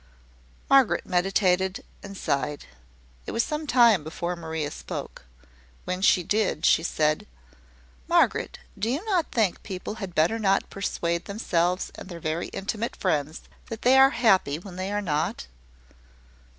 Margaret meditated and sighed. It was some time before Maria spoke. When she did, she said: "Margaret, do not you think people had better not persuade themselves and their very intimate friends that they are happy when they are not?"